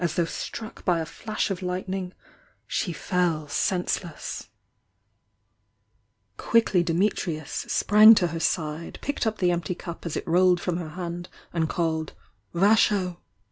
°"8h struck by a flash of light ning, she fell senseless. ^^ 19 w: 290 THE YOUNG DIANA Quicklv Dimitrius sprang to her side, picked up the empty cup as it rolled from her hand, and called: "Vaaho!"